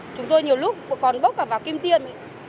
chúng tôi nhiều lúc còn bốc cả vào kim tiên